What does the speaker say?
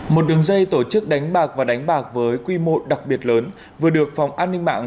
một đường dây tổ chức đánh bạc và đánh bạc với quy mô đặc biệt lớn vừa được phòng an ninh mạng